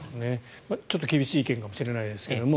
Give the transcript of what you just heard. ちょっと厳しい意見かもしれないですが。